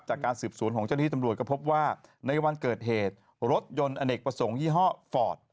จากการสืบสวนของเจ้าหน้าที่ตำรวจก็พบว่าในวันเกิดเหตุรถยนต์อเนกประสงค์ยี่ห้อฟอร์ด